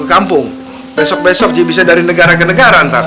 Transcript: paku paku dicabutin dong